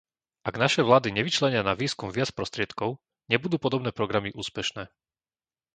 Ak naše vlády nevyčlenia na výskum viac prostriedkov, nebudú podobné programy úspešné.